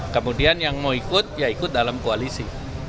kemudian yang mau ikut ya ikut dalam koalisi